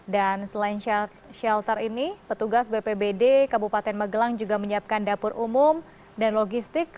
dan selain shelter ini petugas bpbd kabupaten magelang juga menyiapkan dapur umum dan logistik